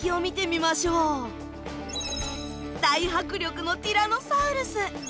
大迫力のティラノサウルス。